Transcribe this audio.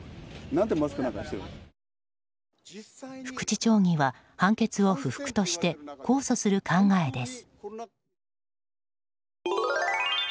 福地町議は判決を不服として控訴する考えです。